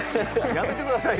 やめてください！